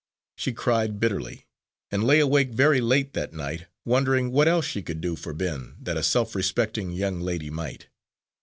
She cried bitterly, and lay awake very late that night, wondering what else she could do for Ben that a self respecting young lady might.